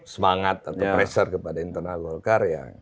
semangat atau pressure kepada internal golkar ya